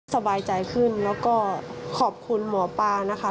สบายใจขึ้นแล้วก็ขอบคุณหมอปลานะคะ